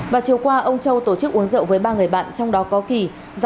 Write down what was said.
và chiều qua ông châu tổ chức uống rượu với ba người bạn trong đó có kỳ